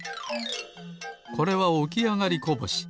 これはおきあがりこぼし。